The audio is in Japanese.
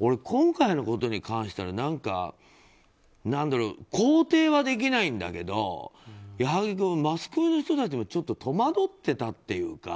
俺、今回のことに関しては肯定はできないんだけど矢作君、マスコミの人たちも戸惑っていたっていうか。